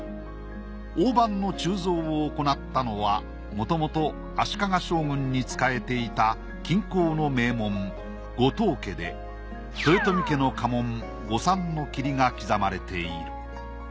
大判の鋳造を行ったのはもともと足利将軍に仕えていた金工の名門後藤家で豊臣家の家紋五三桐が刻まれている。